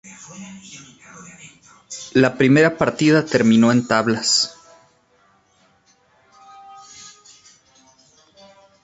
La primera partida terminó en tablas.